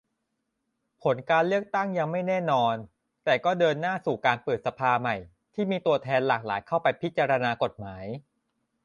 ผลการเลือกตั้งยังไม่แน่นอน แต่ก็เดินหน้าสู่การเปิดสภาใหม่ ที่มีตัวแทนหลากหลายเข้าไปพิจารณากฎหมาย